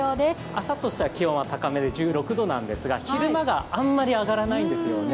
朝としては気温は高めで１６度なんですが、昼間があまり上がらないんですよね。